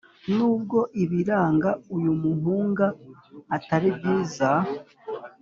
nubwo ibiranga uyu muhunga atari byiza,